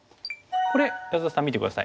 これ安田さん見て下さい。